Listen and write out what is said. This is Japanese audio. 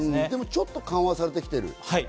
ちょっと緩和されてきている。